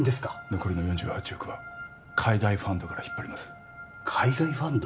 残りの４８億は海外ファンドから引っ張ります海外ファンド？